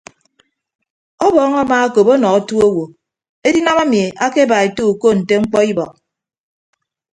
Ọbọọñ amaakop ọnọ otu owo edinam emi akeba ete uko nte mkpọ ibọk.